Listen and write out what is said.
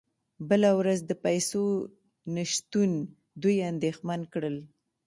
بله ورځ د پیسو نشتون دوی اندیښمن کړل